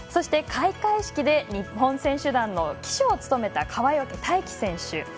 開会式で日本選手団の旗手を務めた川除大輝選手。